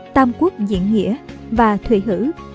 tam quốc diện nghĩa và thủy hữ